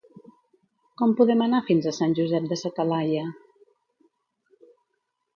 Com podem anar fins a Sant Josep de sa Talaia?